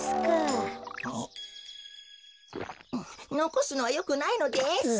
のこすのはよくないのです。